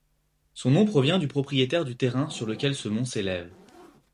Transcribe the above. Son nom provient du propriétaire du terrain sur lequel ce mont s'élève.